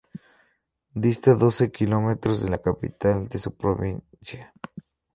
Dista doce kilómetros de la capital de su provincia.